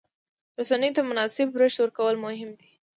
رسنیو ته مناسب رشد ورکول مهم دي.